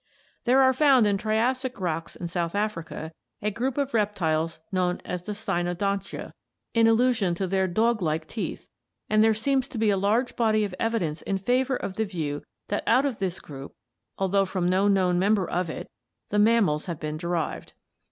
There are found in Triassic rocks in South Africa a group of rep tiles known as the Cynodontia, in allusion to their dog like teeth, and there seems to be a large body of evidence in favor of the view that out of this group, although from no known member of it, the mammals have been derived (see Fig.